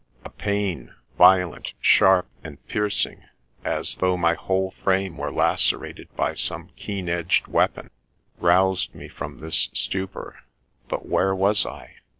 ,'" A pain, violent, sharp, and piercing, as though my whole frame were lacerated by some keen edged weapon, roused me from this stupor, — but where was I